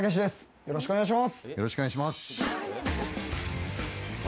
よろしくお願いします。